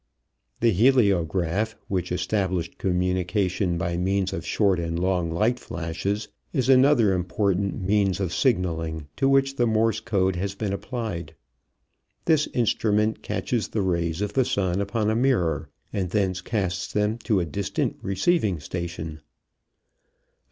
The heliograph, which established communication by means of short and long light flashes, is another important means of signaling to which the Morse code has been applied. This instrument catches the rays of the sun upon a mirror, and thence casts them to a distant receiving station.